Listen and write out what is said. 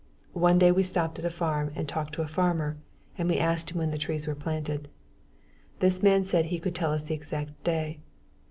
One day we stopped at a farm and talked to a farmer, and we asked him when the trees were planted. This man said he could tell us the exact day.